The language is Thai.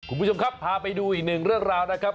คุณผู้ชมครับพาไปดูอีกหนึ่งเรื่องราวนะครับ